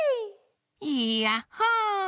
いやっほ！